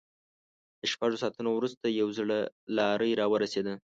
له شپږو ساعتونو وروسته يوه زړه لارۍ را ورسېده.